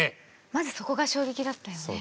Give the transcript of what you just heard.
まずそこが衝撃だったよね。